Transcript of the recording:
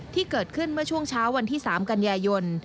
ที่เกิดขึ้นเมื่อช่วงเช้าวันที่๓กันยายน